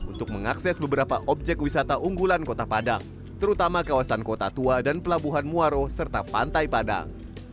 untuk mengakses beberapa objek wisata unggulan kota padang terutama kawasan kota tua dan pelabuhan muaro serta pantai padang